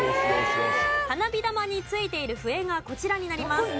花火玉についている笛がこちらになります。